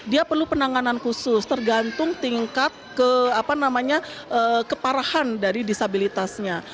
dia perlu penanganan khusus tergantung tingkat ke apa namanya keparahan dari disabilitasnya